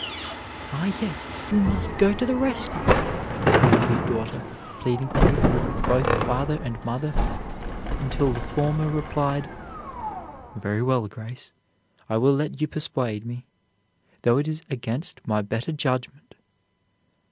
"Ah, yes, we must go to the rescue," exclaimed his daughter, pleading tearfully with both father and mother, until the former replied: "Very well, Grace, I will let you persuade me, though it is against my better judgment."